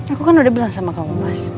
aku kan udah bilang sama kamu mas